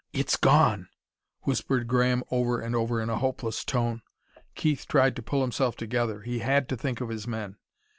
"It's gone," whispered Graham over and over in a hopeless tone. Keith tried to pull himself together. He had to think of his men.